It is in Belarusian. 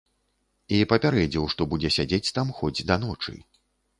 І папярэдзіў, што будзе сядзець там хоць да ночы.